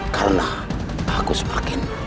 karena aku semakin